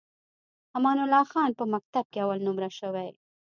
امان الله خان په مکتب کې اول نمره شوی.